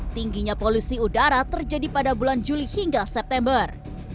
tingginya polusi udara terjadi pada bulan juli hingga september